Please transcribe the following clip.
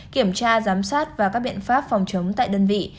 kiểm tra giám sát và các biện pháp phòng chống tại đơn vị